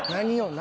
何？